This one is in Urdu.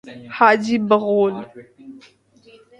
حاجی بغلول